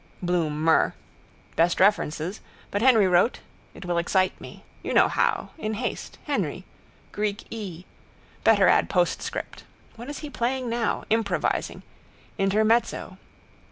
Bloom mur: best references. But Henry wrote: it will excite me. You know how. In haste. Henry. Greek ee. Better add postscript. What is he playing now? Improvising. Intermezzo.